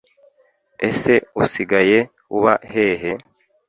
ese usigaye uba hehe?